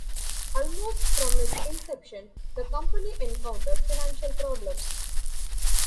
Almost from its inception, the company encountered financial problems.